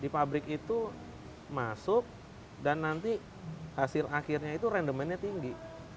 pabrik itu masuk dan nanti hasil akhirnya itu random man nya tinggi